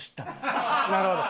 なるほど。